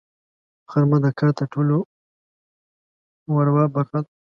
غرمه د کار تر ټولو وروه برخه ده